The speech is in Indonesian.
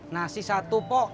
nasi satu po